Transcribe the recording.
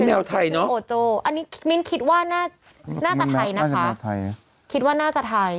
แนวไทยเนอะโอโจ้อันนี้มิ้นคิดว่าน่าจะไทยนะคะคิดว่าน่าจะไทย